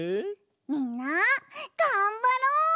みんながんばろう！